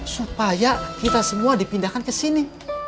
supaya kita semua dipindahkan kesini